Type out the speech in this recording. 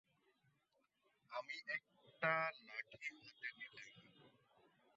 আমি একটা লাঠি হাতে নিলাম।